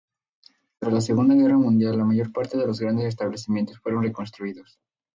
Tras la Segunda Guerra Mundial, la mayor parte de los grandes establecimientos fueron reconstruidos.